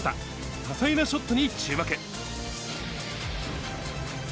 多彩なショットに注目。